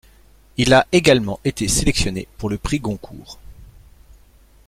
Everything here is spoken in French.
Il a également été sélectionné pour le prix Goncourt.